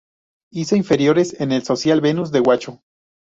Hizo inferiores en el Social Venus de Huacho.